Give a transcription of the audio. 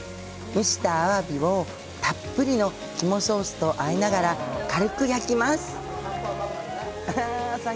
蒸したアワビをたっぷりの肝ソースとあえながら軽く焼きます。